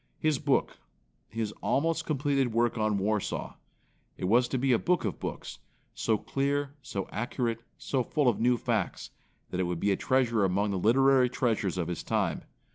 His book, his almost completed work on Warsaw. It was to be a book of books, so clear, so accurate, so full of new f acts that it would be a treasure among the literary treasures of his time.